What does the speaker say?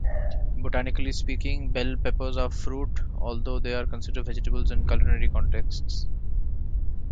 Botanically speaking, bell peppers are fruit, although they are considered vegetables in culinary contexts.